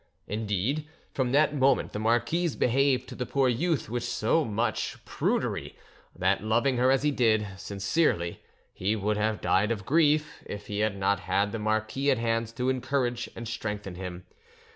Indeed, from that moment the marquise behaved to the poor youth with so much prudery, that, loving her as he did, sincerely, he would have died of grief, if he had not had the marquis at hand to encourage and strengthen him.